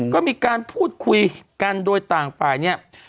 ก็มีการพูดคุยกันโดยต่างฝ่ายเนี่ย